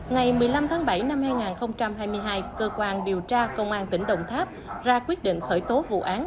ngày một mươi năm tháng bảy năm hai nghìn hai mươi hai cơ quan điều tra công an tỉnh đồng tháp ra quyết định khởi tố vụ án